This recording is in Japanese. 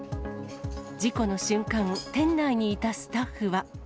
事故の瞬間、店内にいたスタッフは。